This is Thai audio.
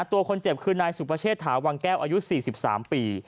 ตัวคนเจ็บคือนายสุปเชษฐาวังแก้วอายุ๔๓ปี